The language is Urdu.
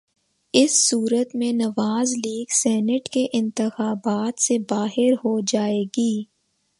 اس صورت میں نواز لیگ سینیٹ کے انتخابات سے باہر ہو جائے گی۔